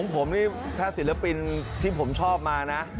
ผมนี่ถ้าศิลปินที่ผมชอบมานะ